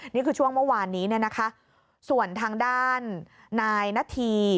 นี่คือช่วงเมื่อวานนี้ส่วนทางด้านนายหน้าที